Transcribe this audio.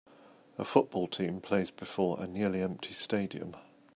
A football team plays before a nearlyempty stadium.